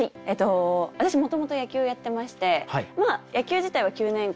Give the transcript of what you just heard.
私もともと野球やってまして野球自体は９年間。